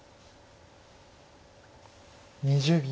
２０秒。